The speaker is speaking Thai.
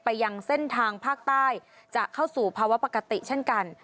ยังเส้นทางภาคใต้จะเข้าสู่ภาวะปกติเช่นกัน